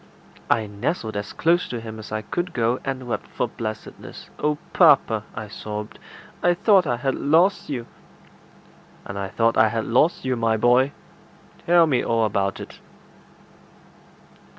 I nestled as close to him as I could go, and wept for blessedness. "Oh, papa!" I sobbed, "I thought I had lost you." "And I thought I had lost you, my boy. Tell me all about it."